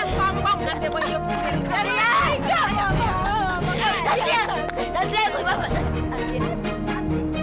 sampai jumpa di video selanjutnya